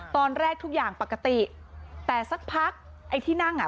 ตอนแรกทุกอย่างปกติแต่สักพักไอ้ที่นั่งอ่ะ